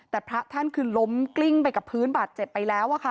แต่พระท่านคือล้มกลิ้งไปกับพื้นบาดเจ็บไปแล้วอะค่ะ